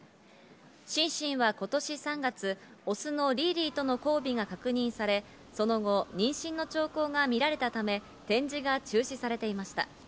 シンシンは今年３月、オスのリーリーとの交尾が確認され、その後、妊娠の兆候が見られたため展示が中止されていました。